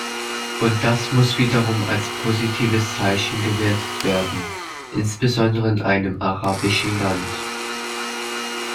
Und das muss wiederum als positives Zeichen gewertet werden, insbesondere in einem arabischen Land.